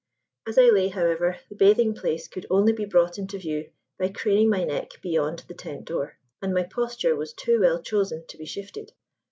As I lay, however, the bathing place could only be brought into view by craning my neck beyond the tent door: and my posture was too well chosen to be shifted.